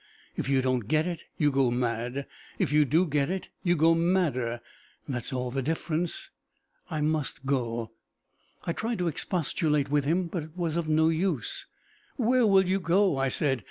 If you don't get it, you go mad; if you do get it, you go madder that's all the difference! I must go!" I tried to expostulate with him, but it was of no use. "Where will you go?" I said.